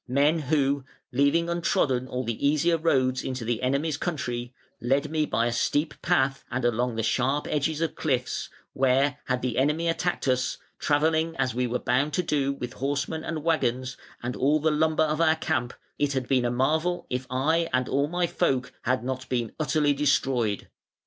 Men who, leaving untrodden all the easier roads into the enemy's country, led me by a steep path and along the sharp edges of cliffs, where, had the enemy attacked us, travelling as we were bound to do with horsemen and waggons and all the lumber of our camp, it had been a marvel if I and all my folk had not been utterly destroyed.